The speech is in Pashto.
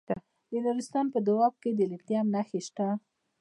د نورستان په دو اب کې د لیتیم نښې شته.